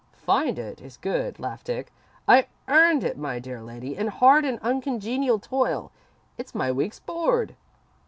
"'Find it' is good," laughed Dick. "I earned it, my dear lady, in hard and uncongenial toil. It's my week's board."